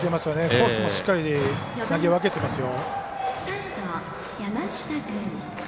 コースもしっかり投げ分けてますよ。